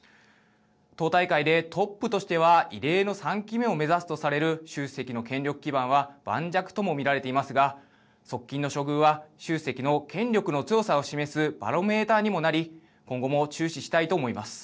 党大会でトップとしては異例の３期目を目指すとされる習主席の権力基盤は盤石とも見られていますが側近の処遇は習主席の権力の強さを示すバロメーターにもなり今後も注視したいと思います。